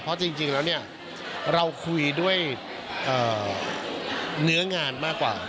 เพราะจริงแล้วเนี่ยเราคุยด้วยเนื้องานมากกว่า